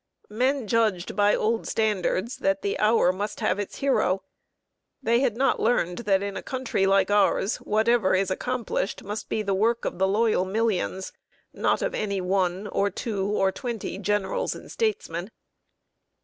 Men judged, by old standards, that the Hour must have its Hero. They had not learned that, in a country like ours, whatever is accomplished must be the work of the loyal millions, not of any one, or two, or twenty generals and statesmen.